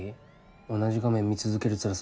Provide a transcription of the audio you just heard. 同じ画面見続けるつらさ